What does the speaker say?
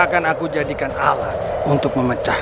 kau benar maesha